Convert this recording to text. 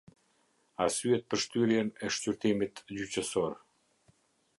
Arsyet për shtyrjen e shqyrtimit gjyqësor.